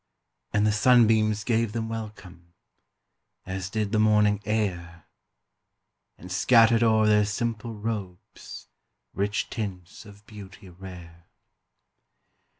And the sunbeams gave them welcome. As did the morning air And scattered o'er their simple robes Rich tints of beauty rare.